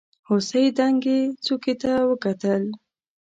هوسۍ دنګې څوکې ته وکتل.